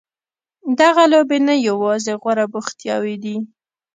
دغه لوبې نه یوازې غوره بوختیاوې دي.